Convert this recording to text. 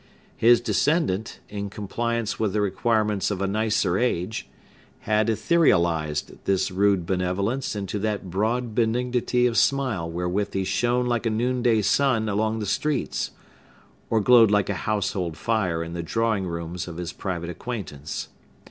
His descendant, in compliance with the requirements of a nicer age, had etherealized this rude benevolence into that broad benignity of smile wherewith he shone like a noonday sun along the streets, or glowed like a household fire in the drawing rooms of his private acquaintance.